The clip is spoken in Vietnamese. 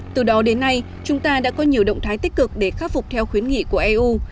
từ đó đến nay chúng ta đã có nhiều động thái tích cực để khắc phục theo khuyến nghị của eu